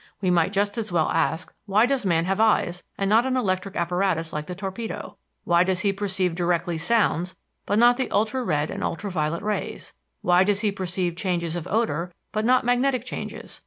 We might just as well ask why does man have eyes and not an electric apparatus like the torpedo? Why does he perceive directly sounds but not the ultra red and ultra violet rays? Why does he perceive changes of odors but not magnetic changes?